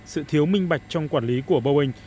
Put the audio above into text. sự thiếu minh bạch trong quản lý của boeing